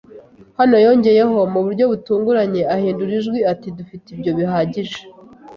hano, ”yongeyeho, mu buryo butunguranye ahindura ijwi, ati:“ Dufite ibyo bihagije